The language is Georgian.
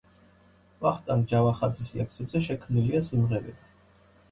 ვახტანგ ჯავახაძის ლექსებზე შექმნილია სიმღერები.